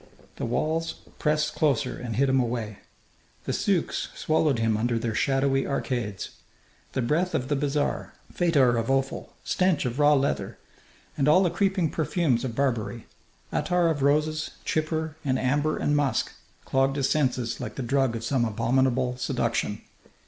The walls pressed closer and hid him away. The souks swallowed him under their shadowy arcades. The breath of the bazaar, fetor of offal, stench of raw leather, and all the creeping perfumes of Barbary, attar of roses, chypre and amber and musk, clogged his senses like the drug of some abominable seduction.